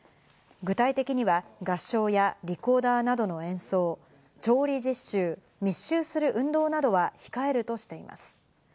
具体的には合唱やリコーダーなどの演奏、調理実習、密集する運動などは控えるとしています。